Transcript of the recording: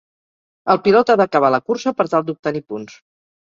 El pilot ha d'acabar la cursa per tal d'obtenir punts.